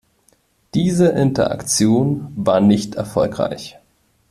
Diese Interaktion war nicht erfolgreich.